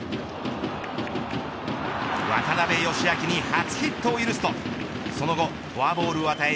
渡邊佳明に初ヒットを許すとその後フォアボールを与え